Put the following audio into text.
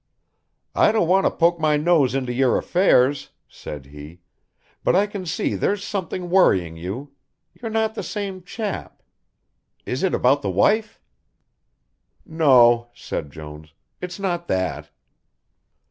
"I don't want to poke my nose into your affairs," said he, "but I can see there's something worrying you; you're not the same chap. Is it about the wife?" "No," said Jones, "it's not that."